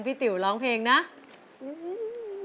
ไม่เคยลืมคำคนลำลูกกา